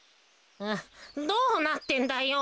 どうなってんだよ。